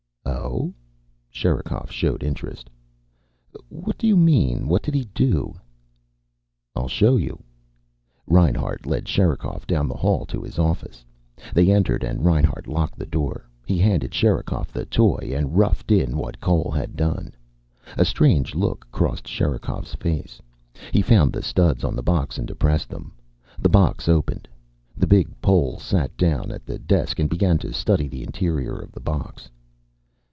"Oh?" Sherikov showed interest. "What do you mean? What did he do?" "I'll show you." Reinhart led Sherikov down the hall to his office. They entered and Reinhart locked the door. He handed Sherikov the toy and roughed in what Cole had done. A strange look crossed Sherikov's face. He found the studs on the box and depressed them. The box opened. The big Pole sat down at the desk and began to study the interior of the box.